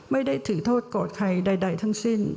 ไม่ได้ถือโทษโกรธใครใดทั้งสิ้น